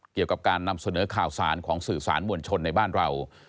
เกี่ยวกับการนำเสนอข่าวสารของสื่อสารมวลชนในบ้านเรา